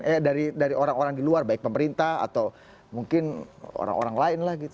eh dari orang orang di luar baik pemerintah atau mungkin orang orang lain lah gitu